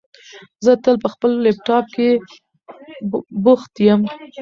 زه تل په خپل لپټاپ کېښې بوښت یم